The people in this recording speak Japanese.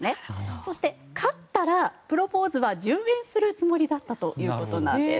そして、勝ったらプロポーズは順延するつもりだったそうです。